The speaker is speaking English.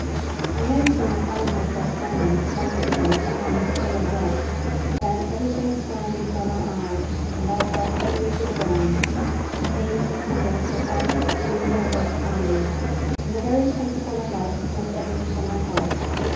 I no sooner found myself standing, once again, upon this fatal deck, than everything swam before my eyes, and I fell heavily to the ground. Pain and hunger were fast doing their work upon me, and the very principle of life was ebbing from my heart.